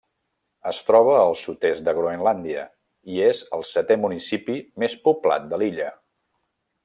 Es troba al sud-est de Groenlàndia i és el setè municipi més poblat de l'illa.